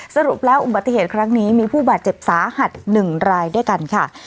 สรุปแล้วอุบัติเหตุครั้งนี้มีผู้บาดเจ็บสาหัส๑รายด้วยกันค่ะ